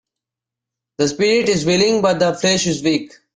The spirit is willing but the flesh is weak.